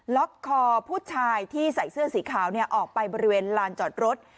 ล็อกคอผู้ชายที่ใส่เสื้อสีขาวออกไปบริเวณลานจอดรถ